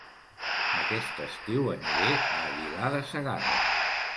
Aquest estiu aniré a Aguilar de Segarra